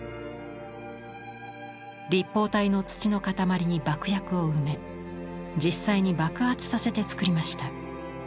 立方体の土の塊に爆薬を埋め実際に爆発させて作りました。